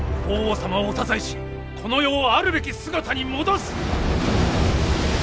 法皇様をお支えしこの世をあるべき姿に戻す！